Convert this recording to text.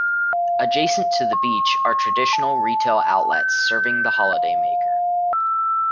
Adjacent to the beach are traditional retail outlets serving the holidaymaker.